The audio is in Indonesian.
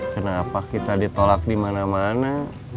kenapa kita ditolak di mana mana